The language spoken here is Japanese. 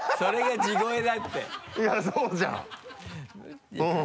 いやそうじゃんうん。